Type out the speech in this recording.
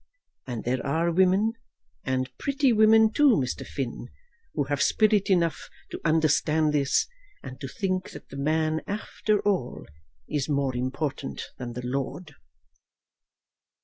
And there are women, and pretty women too, Mr. Finn, who have spirit enough to understand this, and to think that the man, after all, is more important than the lord."